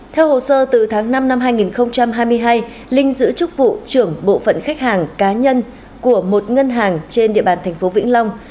theo hồ sơ từ tháng năm năm hai nghìn hai mươi hai linh giữ chúc vụ trưởng bộ phận khách hàng cá nhân của một ngân hàng trên địa bàn tp vĩnh long